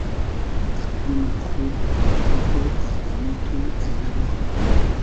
اردی مۉ خوبی دۂ جای خو آدئمی تو اݷنۂ ما